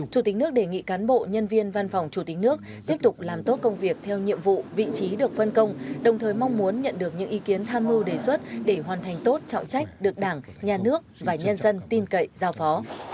chủ tịch nước đề nghị cán bộ nhân viên văn phòng chủ tịch nước tiếp tục làm tốt công việc theo nhiệm vụ vị trí được phân công đồng thời mong muốn nhận được những ý kiến tham mưu đề xuất để hoàn thành tốt trọng trách được đảng nhà nước và nhân dân tin cậy giao phó